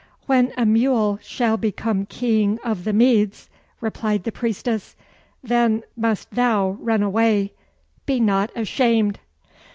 "When a mule shall become king of the Medes (replied the priestess) then must thou run away be not ashamed."